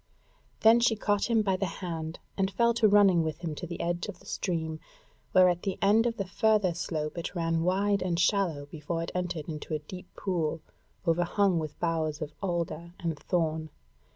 Then she caught him by the hand, and fell to running with him to the edge of the stream, where at the end of the further slope it ran wide and shallow before it entered into a deep pool overhung with boughs of alder and thorn.